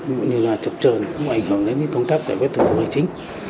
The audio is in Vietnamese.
mọi người là chập trờn cũng ảnh hưởng đến những công tác giải quyết thực tập hành chính